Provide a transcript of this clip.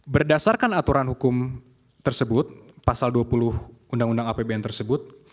berdasarkan aturan hukum tersebut pasal dua puluh undang undang apbn tersebut